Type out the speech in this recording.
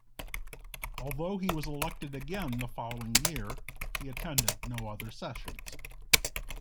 Although he was elected again the following year, he attended no other sessions.